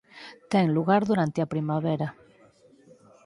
Ten lugar durante a primavera.